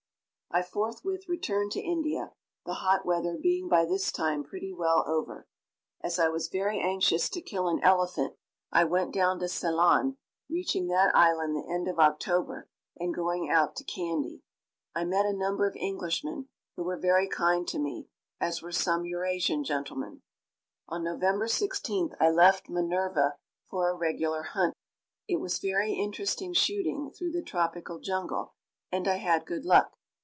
I forthwith returned to India, the hot weather being by this time pretty well over. As I was very anxious to kill an elephant, I went down to Ceylon, reaching that island the end of October and going out to Kandy. I met a number of Englishmen, who were very kind to me, as were some Eurasian gentlemen. On November 16th I left Minerva for a regular hunt. It was very interesting shooting through the tropical jungle and I had good luck.